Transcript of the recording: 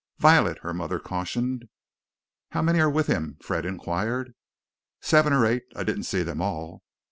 "Violet!" her mother cautioned. "How many are with him?" Fred inquired. "Seven or eight I didn't see them all.